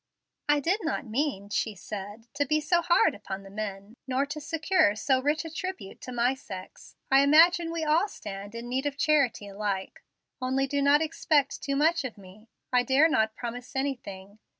"I did not mean," she said, "to be so hard upon the men, nor to secure so rich a tribute to my sex. I imagine we all stand in need of charity alike. Only do not expect too much of me. I dare not promise anything.